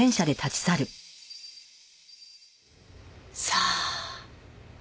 さあ？